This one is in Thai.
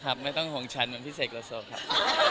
ครับไม่ต้องเป็นห่วงฉันเหมือนพี่เศษโกโซครับ